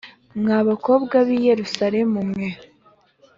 Mwa bakobwa b’i Yerusalemu mwe